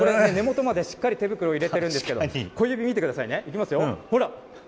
根元までしっかり手袋を入れてるんですけど、小指見てくださいね、いきますよ、ほら。